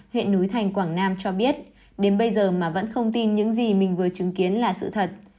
huyện núi thành quảng nam cho biết đến bây giờ mà vẫn không tin những gì mình vừa chứng kiến là sự thật